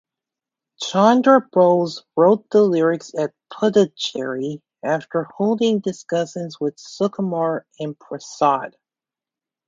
Chandrabose wrote the lyrics at Puducherry after holding discussions with Sukumar and Prasad.